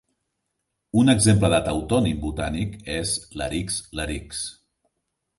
Un exemple de tautònim botànic és "Larix larix".